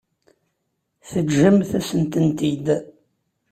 Teǧǧamt-asent-tent-id.